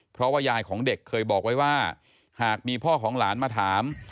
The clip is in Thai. เพราะว่ายายของเด็กเคยบอกไว้ว่าหากมีพ่อของหลานมาถาม